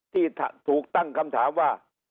ที่ถูกตั้งคำถามว่า